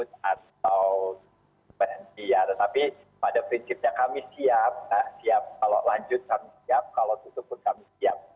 tetapi pada prinsipnya kami siap kalau lanjut kami siap kalau tutup pun kami siap